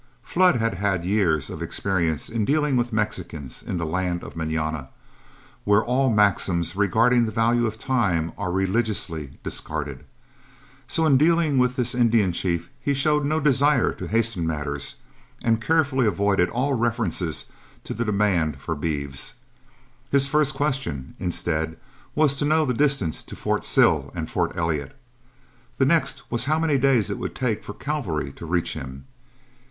Flood had had years of experience in dealing with Mexicans in the land of mañana, where all maxims regarding the value of time are religiously discarded. So in dealing with this Indian chief he showed no desire to hasten matters, and carefully avoided all reference to the demand for beeves. [Illustration: MEETING WITH INDIANS] His first question, instead, was to know the distance to Fort Sill and Fort Elliot. The next was how many days it would take for cavalry to reach him.